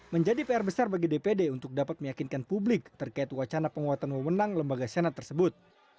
menjadi pr besar bagi dpd untuk dapat meyakinkan publik terkait wacana penguatan wewenang lembaga senat tersebut